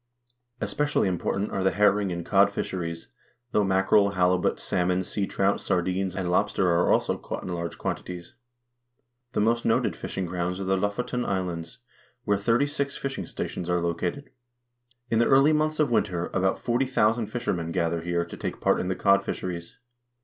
Especially important are the herring and cod fisheries, though mackerel, halibut, salmon, seatrout, sardines, and lobster are also caught in large quantities. The most noted fishing grounds are the Lofoten Islands, where thirty six fishing stations are located. In the early months of winter about 40,000 fishermen gather here to take part in the cod fisheries.